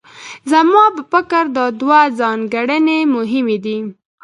زما په فکر دا دوه ځانګړنې مهمې دي.